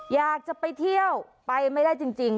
อยากจะไปเที่ยวไปไม่ได้จริง